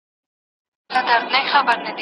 فولکلور د يو ملت ژوندی تاريخ دی.